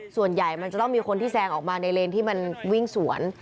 ส่วนใหญ่มันจะต้องมีคนที่แซงออกมาในเลนที่มันวิ่งสวน